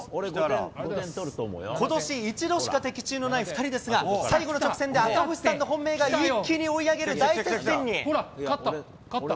ことし、１度しか的中のない２人ですが、最後の直線で赤星さんの本命が一気に追い上げる大接戦に。